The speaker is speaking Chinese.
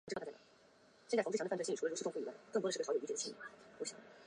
上阿莱格雷多平达雷是巴西马拉尼昂州的一个市镇。